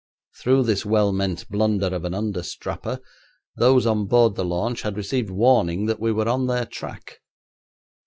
Through this well meant blunder of an understrapper those on board the launch had received warning that we were on their track.